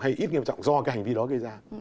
hay ít nghiêm trọng do cái hành vi đó gây ra